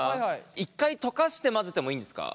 一回溶かして混ぜてもいいんですか？